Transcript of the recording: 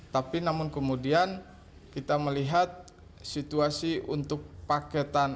tapi namun kemudian kita melihat situasi untuk paketan